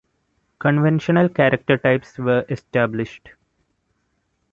Conventional character types were established.